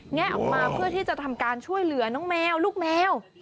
แงะออกมาเพื่อที่จะทำการช่วยเหลือน้องแมวลูกแมว